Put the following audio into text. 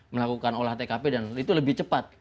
melakukan olah tkp dan itu lebih cepat